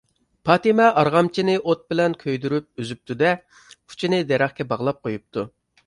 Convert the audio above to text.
پاتىمە ئارغامچىنى ئوت بىلەن كۆيدۈرۈپ ئۈزۈپتۇ-دە، ئۇچىنى دەرەخكە باغلاپ قويۇپتۇ.